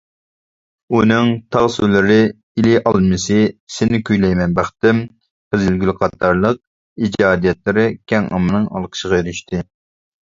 ئۇنىڭ «تاغ سۇلىرى»، «ئىلى ئالمىسى»، «سېنى كۈيلەيمەن بەختىم»، «قىزىلگۈل» قاتارلىق ئىجادىيەتلىرى كەڭ ئاممىنىڭ ئالقىشىغا ئېرىشتى.